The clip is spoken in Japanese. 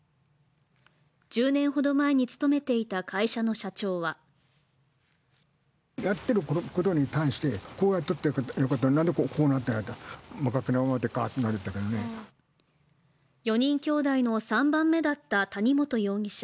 １０年ほど前に勤めていた会社の社長は４人兄弟の３番目だった谷本容疑者。